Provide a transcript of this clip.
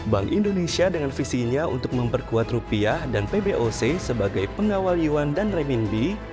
bank indonesia dengan visinya untuk memperkuat rupiah dan pboc sebagai pengawal yuan dan remin b